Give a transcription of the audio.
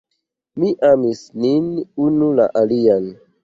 Ni amis nin unu la alian.